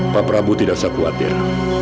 pak prabowo tidak usah khawatir